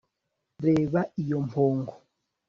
reba iyo mpongo